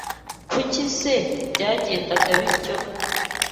Kuki se byagendaga bityo?